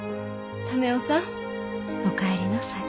為雄さんお帰りなさい。